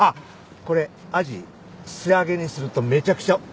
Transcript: これアジ素揚げにするとめちゃくちゃ。